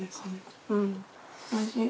おいしい？